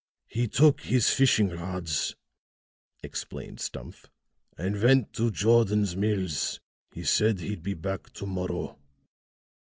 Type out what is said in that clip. "He took his fishing rods," explained Stumph, "and went to Jordan's Mills. He said he'd be back to morrow."